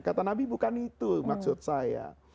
kata nabi bukan itu maksud saya